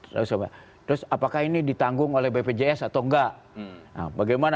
terus apakah ini ditanggung oleh bpjs atau enggak bagaimana